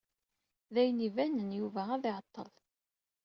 D ayen ibanen, Yuba ad iɛeṭṭel.